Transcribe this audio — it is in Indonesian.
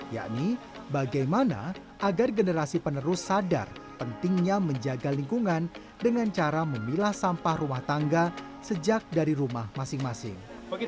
yakni bagaimana agar generasi penerus sadar pentingnya menjaga lingkungan dengan cara memilah sampah rumah tangga sejak dari rumah masing masing